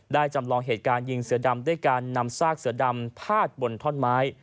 จำลองเหตุการณ์ยิงเสือดำด้วยการนำซากเสือดำพาดบนท่อนไม้